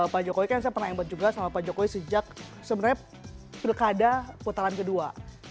pak jokowi kan saya pernah hebat juga sama pak jokowi sejak sebenarnya pilkada putaran kedua